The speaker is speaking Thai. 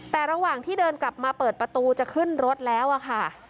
แต่ระหว่างที่เดินกลับมาเปิดประตูจะขึ้นรถแล้วอะค่ะ